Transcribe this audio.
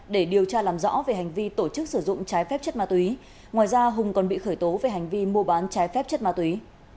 để điều tra làm rõ về hành vi tổ chức sử dụng trái phép chất ma túy ngoài ra hùng còn bị khởi tố về hành vi mua bán trái phép chất ma túy